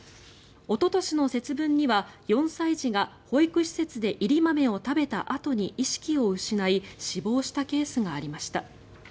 おととしの節分には４歳児が保育施設で煎り豆を食べたあとに意識を失い死亡したケースがありました。